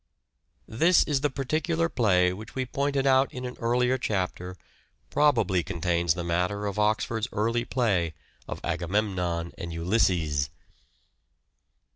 This is the particular play which we pointed out in an earlier chapter probably contains the matter of Oxford's early play of " Agamemnon and Ulysses."